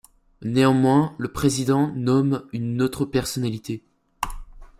Néanmoins le président nomme une autre personnalité.